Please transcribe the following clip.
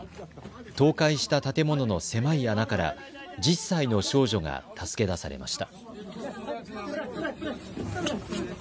倒壊した建物の狭い穴から１０歳の少女が助け出されました。